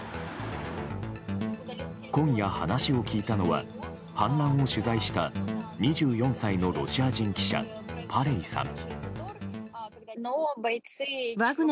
今夜、話を聞いたのは反乱を取材した２４歳のロシア人記者パレイさん。